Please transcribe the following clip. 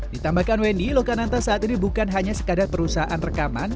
ditambahkan wendy lokananta saat ini bukan hanya sekadar perusahaan rekaman